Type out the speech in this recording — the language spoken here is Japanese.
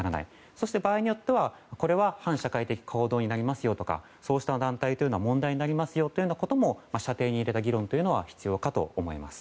そして、場合によってはこれは反社会的行動になりますよとかそうした団体は問題になるということも射程に入れた議論が必要かと思います。